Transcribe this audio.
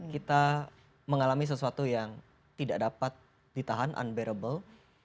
kita mengalami sesuatu yang tidak dapat ditahan unberable